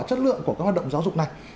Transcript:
chất lượng của các hoạt động giáo dục này